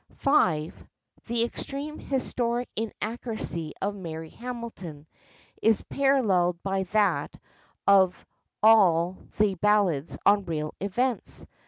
(5) The extreme historic inaccuracy of Mary Hamilton is paralleled by that of all the ballads on real events.